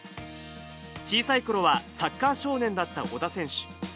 小さいころはサッカー少年だった小田選手。